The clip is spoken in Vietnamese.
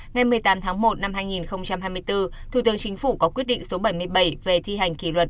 ngày một mươi tám tháng một năm hai nghìn hai mươi bốn thủ tướng chính phủ có quyết định số bảy mươi bảy về thi hành kỷ luật